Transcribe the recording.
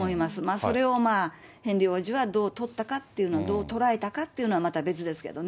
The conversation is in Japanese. それをヘンリー王子はどうとったかっていうの、どう捉えたかっていうのはまた別ですけどね。